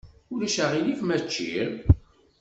Ulac aɣilif ma ččiɣ?